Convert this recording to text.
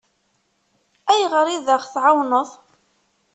Ayɣer i d-aɣ-tɛawneḍ?